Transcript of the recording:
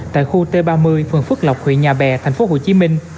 tại khu t ba mươi phường phước lộc huyện nhà bè tp hcm